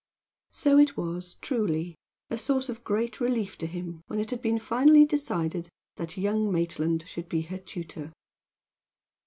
So it was, truly, a source of great relief to him when it had been finally decided that young Maitland should be her tutor.